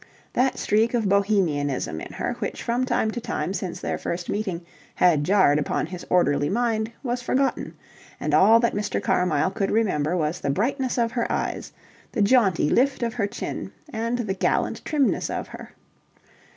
That streak of Bohemianism in her which from time to time since their first meeting had jarred upon his orderly mind was forgotten; and all that Mr. Carmyle could remember was the brightness of her eyes, the jaunty lift of her chin, and the gallant trimness of her.